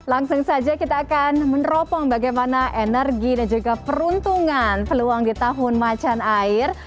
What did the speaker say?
langsung saja kita akan meneropong bagaimana energi dan juga peruntungan peluang di tahun macan air